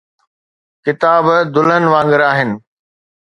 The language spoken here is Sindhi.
ڪتاب دلہن وانگر آهن.